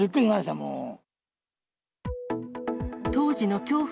もう。